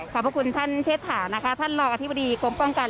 ขอบคุณคุณท่านเชษฐานท่านรอธิบดีกรมป้องกัน